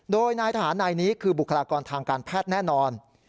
โดยนายทหารนายนี้คือบุคลากรทางการแพทย์แน่นอน